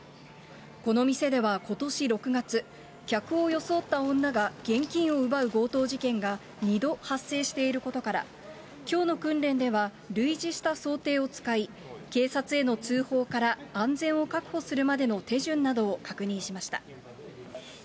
この店ではことし６月、客を装った女が現金を奪う強盗事件が２度発生していることから、きょうの訓練では、類似した想定を使い、警察への通報から安全を確保するまでの手順などを確認しました。